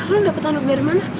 lu dapet handuk dari mana